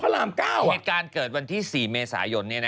ในการเกิดวันที่๔เมษายน